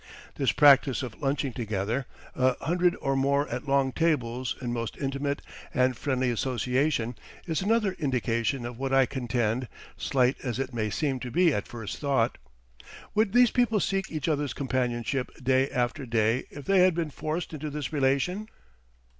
This practice of lunching together, a hundred or more at long tables in most intimate and friendly association, is another indication of what I contend, slight as it may seem to be at first thought. Would these people seek each other's companionship day after day if they had been forced into this relation?